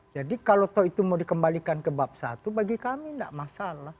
jadi kalau tahu itu mau dikembalikan ke bab satu bagi kami tidak masalah